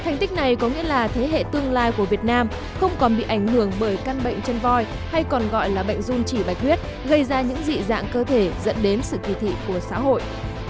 nghĩa là thế hệ tương lai của việt nam không còn bị ảnh hưởng bởi căn bệnh chân voi hay còn gọi là bệnh dung chỉ bạch huyết gây ra những dị dạng cơ thể dẫn đến sự kỳ thị của xã hội